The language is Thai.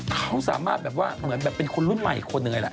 เขาสามารถแบบว่าเหมือนแบบเป็นคนรุ่นใหม่อีกคนนึงเลยล่ะ